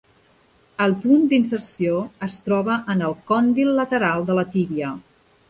El punt d'inserció es troba en el còndil lateral de la tíbia.